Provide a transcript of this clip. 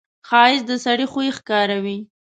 ښایست د سړي خوی ښکاروي